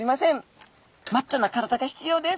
マッチョな体が必要です。